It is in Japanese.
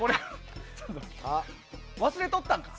忘れとったんか。